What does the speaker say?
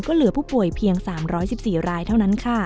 ก็เหลือผู้ป่วยเพียง๓๑๔รายเท่านั้นค่ะ